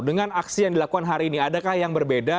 dengan aksi yang dilakukan hari ini adakah yang berbeda